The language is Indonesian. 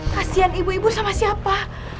kasian ibu ibu sama siapa